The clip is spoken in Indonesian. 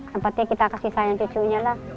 yang penting kita kasih sayang cucunya lah